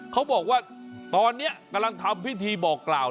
เขาบอกว่าตอนนี้กำลังทำพิธีบอกกล่าว